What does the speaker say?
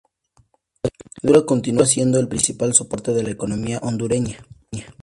La agricultura continúa siendo el principal soporte de la economía hondureña.